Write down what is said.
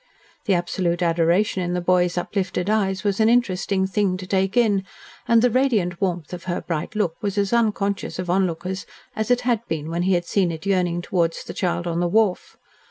The absolute adoration in the boy's uplifted eyes was an interesting thing to take in, and the radiant warmth of her bright look was as unconscious of onlookers as it had been when he had seen it yearning towards the child on the wharf.